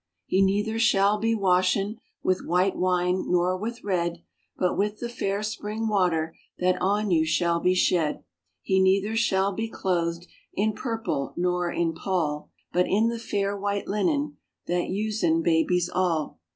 "He neither shall be washen With white wine nor with red, But with the fair spring water That on you shall be shed. "He neither shall be clothed In purple nor in pall, But in the fair, white linen That usen babies all."